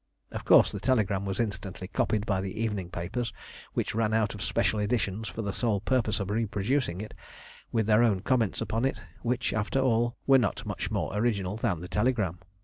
Of course the telegram was instantly copied by the evening papers, which ran out special editions for the sole purpose of reproducing it, with their own comments upon it, which, after all, were not much more original than the telegram.